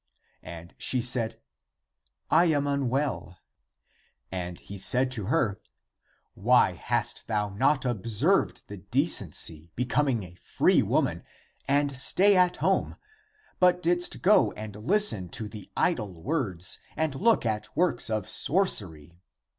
And she said, "I am unwell." He said to her, " Why hast thou not observed the decency becoming a free woman and stay at home, but didst go and listen to the idle words and look at works of sorcery?